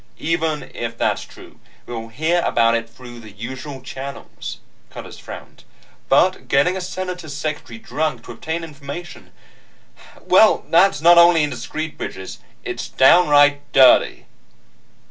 "Even if that's true, we'll hear about it through the usual channels," Conners frowned. "But getting a senator's secretary drunk to obtain information well, that's not only indiscreet, Bridges. It's downright dirty."